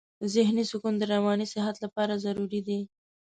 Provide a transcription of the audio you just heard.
ذهني سکون د رواني صحت لپاره ضروري دی.